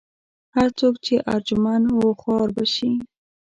هر څوک چې ارجمند و خوار به شي.